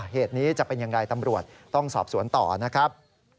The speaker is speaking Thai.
เหตุนี้จะเป็นอย่างไรตำรวจต้องสอบสวนต่อนะครับ